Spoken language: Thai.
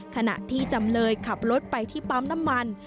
ขณะที่จำเลยขับรถไปที่ปั๊มน้ำมัน